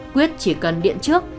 quyết chỉ cần điện trước